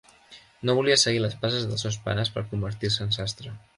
No volia seguir les passes dels seus pares per convertir-se en sastre.